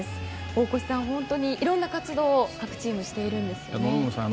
大越さん、本当にいろんな活動を各チーム、しているんですね。